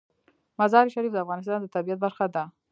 مزارشریف د افغانستان د طبیعت برخه ده.